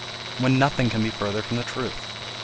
When nothing can be further from the truth.